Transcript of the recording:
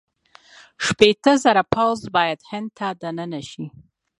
شپېته زره پوځ باید هند ته دننه شي.